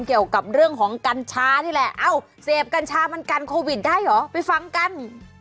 เกี่ยวกับเรื่องของกัญชานี่แหละเอ้าเสพกัญชามันกันโควิดได้เหรอไปฟังกัน